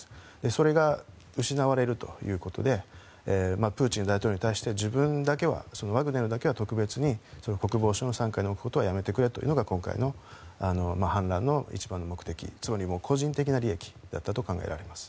それが失われるということでプーチン大統領に対して自分だけはワグネルだけは特別に国防省の傘下に置くことはやめてくれというのが今回の反乱の一番の目的つまり個人的な利益だったと考えられます。